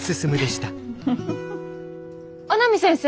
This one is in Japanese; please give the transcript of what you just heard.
阿南先生？